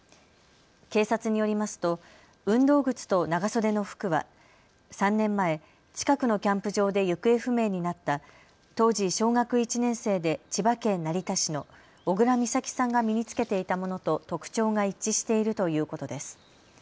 警察によりますと運動靴と長袖の服は３年前、近くのキャンプ場で行方不明になった当時小学１年生で千葉県成田市の小倉美咲さんが身に着けていたものと特徴が一致しているということです。